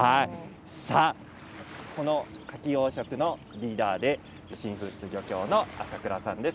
このカキ養殖のリーダーで新富津漁港の浅倉さんです。